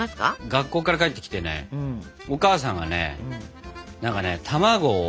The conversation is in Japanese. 学校から帰ってきてねお母さんがねなんかね卵を。